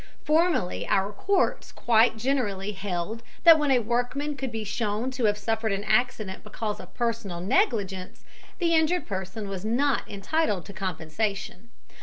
Formerly our courts quite generally held that when a workman could be shown to have suffered an accident because of "personal negligence," the injured person was not entitled to compensation.